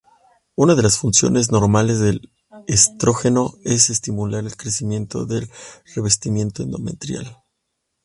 Una de las funciones normales del estrógeno es estimular el crecimiento del revestimiento endometrial.